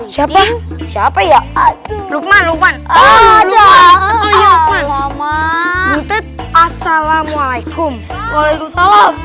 siapa siapa ya luqman luqman ada ayah lama butet assalamualaikum waalaikumsalam